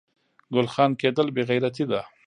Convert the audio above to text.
ګل خان کیدل بې غیرتي ده